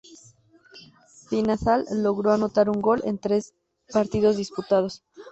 Di Natale logró anotar un gol en tres partidos disputados.